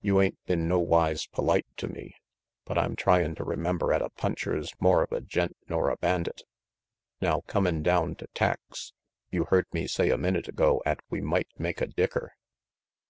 "You ain't been nowise polite to me, but I'm tryin' to remember 'at a puncher's moreuva gent nor a bandit. Now, comin' down to tacks, you heard me say a minute ago 'at we might make a dicker."